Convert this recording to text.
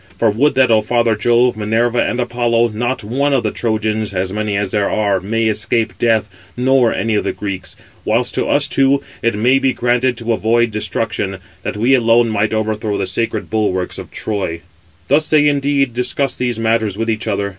For would that, O father Jove, Minerva, and Apollo, not one of the Trojans, as many as there are, may escape death, nor any of the Greeks: whilst to us two it [may be granted] to avoid destruction, that we alone might overthrow the sacred bulwarks of Troy." Footnote 512: (return) I.e. "Let bygones be bygones."—Dublin Ed. Thus they indeed discussed these matters with each other.